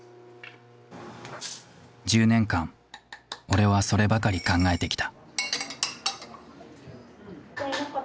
１０年間俺はそればかり考えてきた。